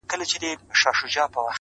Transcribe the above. خپل احساسات د عقل په تله وتلئ.!